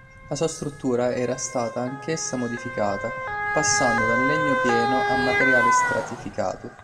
La sua struttura era stata anch'essa modificata, passando dal legno pieno a materiale stratificato.